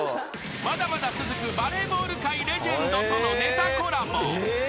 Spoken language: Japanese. ［まだまだ続くバレーボール界レジェンドとのネタコラボ］